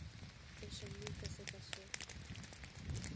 Ella nunca se casó.